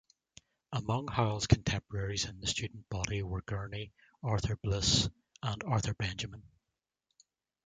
Among Howells' contemporaries in the student body were Gurney, Arthur Bliss and Arthur Benjamin.